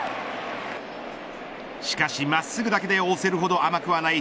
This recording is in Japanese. しかし真っすぐだけで押せるほど甘くはない。